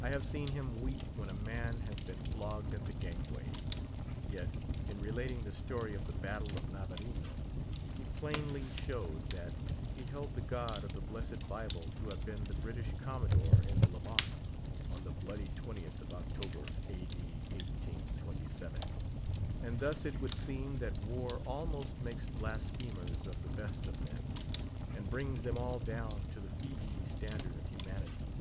I have seen him weep when a man has been flogged at the gangway; yet, in relating the story of the Battle of Navarino, he plainly showed that he held the God of the blessed Bible to have been the British Commodore in the Levant, on the bloody 20th of October, A. D. 1827. And thus it would seem that war almost makes blasphemers of the best of men, and brings them all down to the Feejee standard of humanity.